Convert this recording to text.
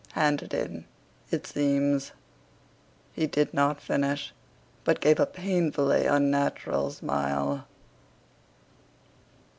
"Hand it in. It seems..." He did not finish, but gave a painfully unnatural smile.